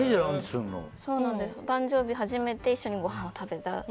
お誕生日初めて一緒にご飯を食べた。